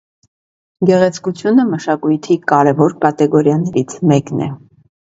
Գեղեցկությունը մշակույթի կարևոր կատեգորիաներից մեկն է։